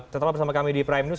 tetaplah bersama kami di prime news